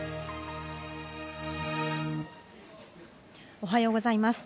おはようございます。